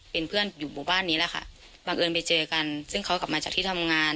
เป็นเพื่อนอยู่หมู่บ้านนี้แหละค่ะบังเอิญไปเจอกันซึ่งเขากลับมาจากที่ทำงาน